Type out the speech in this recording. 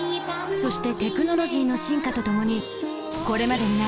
そしてテクノロジーの進化とともにこれまでにない